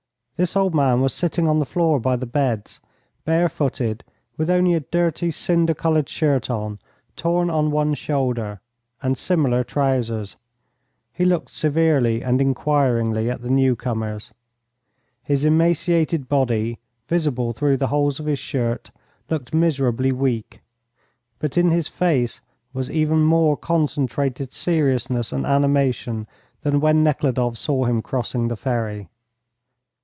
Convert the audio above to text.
This old man was sitting on the floor by the beds, barefooted, with only a dirty cinder coloured shirt on, torn on one shoulder, and similar trousers. He looked severely and enquiringly at the newcomers. His emaciated body, visible through the holes of his shirt, looked miserably weak, but in his face was even more concentrated seriousness and animation than when Nekhludoff saw him crossing the ferry.